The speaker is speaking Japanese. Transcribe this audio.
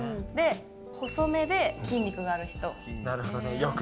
細めで、筋肉のある人。